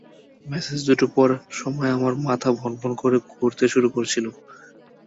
Message দুটো পড়ার সময় আমার মাথা ভনভন করে ঘুরতে শুরু করেছিল।